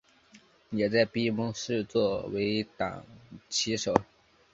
也在闭幕式作为掌旗手。